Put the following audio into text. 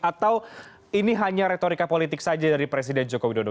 atau ini hanya retorika politik saja dari presiden joko widodo